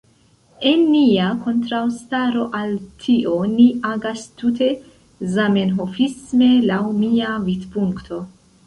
En nia kontraŭstaro al tio ni agas tute zamenhofisme, laŭ mia vidpunkto.